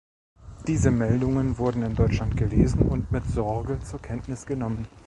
Diese Meldungen wurden in Deutschland gelesen und mit Sorge zur Kenntnis genommen.